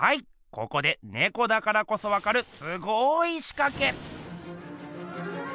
ここでねこだからこそわかるすごいしかけ！